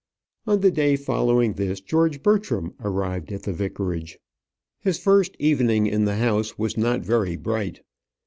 On the day following this, George Bertram arrived at the vicarage. His first evening in the house was not very bright.